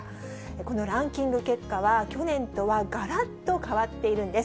このランキング結果は、去年とはがらっと変わっているんです。